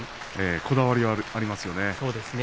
こだわりはありますよね。